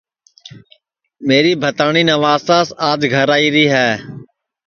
میری بھتاٹؔی نواساس آج گھر آئی ہے